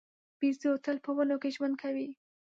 بیزو تل په ونو کې ژوند کوي.